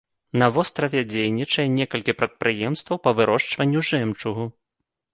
На востраве дзейнічае некалькі прадпрыемстваў па вырошчванню жэмчугу.